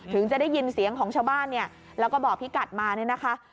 ถึงจะได้ยินเสียงของชาวบ้านเนี่ยแล้วก็บอกพี่กัดมาเนี่ยนะคะ